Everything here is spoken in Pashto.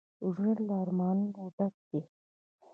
ژوند له ارمانونو ډک دی